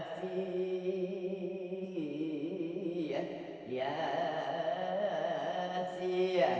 jangan semua orang sudah harsh craft